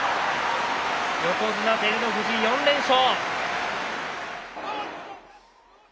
横綱・照ノ富士、４連勝。